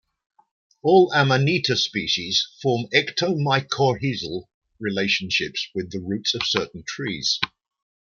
All "Amanita" species form ectomycorrhizal relationships with the roots of certain trees.